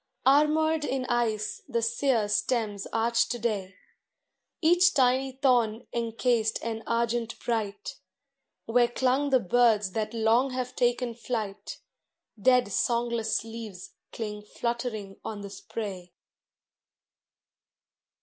Armored in ice the sere stems arch to day, Each tiny thorn encased and argent bright; Where clung the birds that long have taken flight, Dead songless leaves cling fluttering on the spray.